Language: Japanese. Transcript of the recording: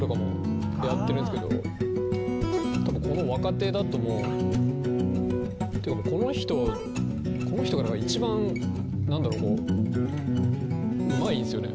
多分この若手だともうていうかもうこの人が一番何だろこううまいんすよね。